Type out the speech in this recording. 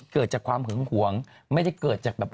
เกิดจากความหึงหวงไม่ได้เกิดจากแบบ